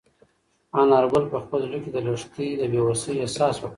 انارګل په خپل زړه کې د لښتې د بې وسۍ احساس وکړ.